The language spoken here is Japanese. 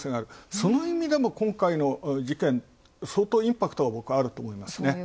その意味でも今回の事件相当、インパクトあると僕は思いますね。